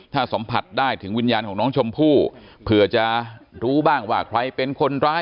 ถ้าสัมผัสได้ถึงวิญญาณของน้องชมพู่เผื่อจะรู้บ้างว่าใครเป็นคนร้าย